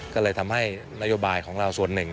ก็เลยทำให้นโยบายของเราส่วนหนึ่ง